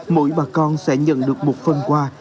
mỗi bà con sẽ nhận được một phần quà